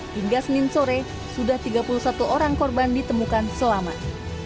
hingga senin sore sudah tiga puluh satu orang korban ditemukan selamat